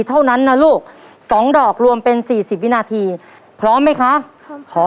เท่านั้นนะลูกสองดอกรวมเป็นสี่สิบวินาทีพร้อมไหมคะพร้อมขอ